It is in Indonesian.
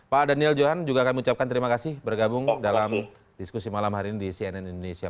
pak daniel johan juga kami ucapkan terima kasih bergabung dalam diskusi malam hari ini di cnn indonesia